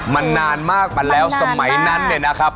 มันนานมากมาแล้วสมัยนั้นเนี่ยนะครับ